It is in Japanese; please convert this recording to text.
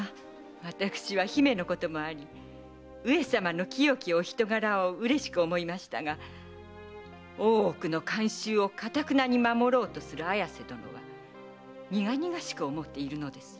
私は姫のこともあり上様の清きお人柄を嬉しく思いましたが大奥の慣習をかたくなに守ろうとする綾瀬殿は苦々しく思っているのです。